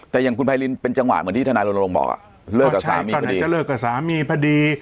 แต่อย่างคุณไพรินเป็นจังหวะเหมือนที่ท่านายโรนโรงบอกเลิกกับสามีพอดี